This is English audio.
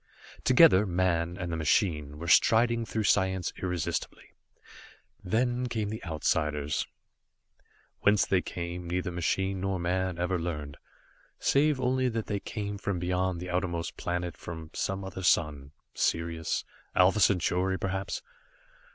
Together, man and the machine were striding through science irresistibly. Then came the Outsiders. Whence they came, neither machine nor man ever learned, save only that they came from beyond the outermost planet, from some other sun. Sirius Alpha Centauri perhaps!